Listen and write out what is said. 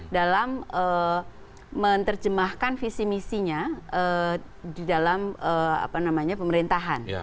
dalam menerjemahkan visi misinya di dalam pemerintahan